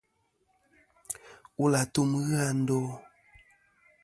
Wul àtum ghɨ a ndo.